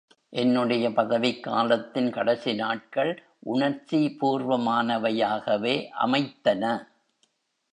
என்னுடைய பதவிக் காலத்தின் கடைசி நாட்கள் உணர்ச்சி பூர்வமானவையாகவே அமைத்தன!